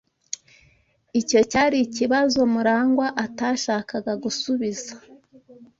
Icyo cyari ikibazo Murangwa atashakaga gusubiza.